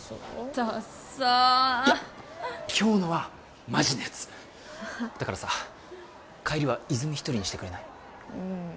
だっさいや今日のはマジなやつだからさ帰りは泉１人にしてくれない？